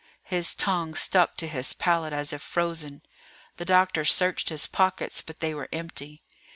His tongue stuck to his palate as if frozen. The doctor searched his pockets, but they were empty.